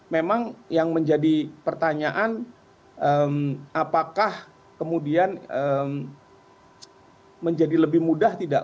memang yang menjadi pertanyaan apakah kemudian menjadi lebih mudah tidak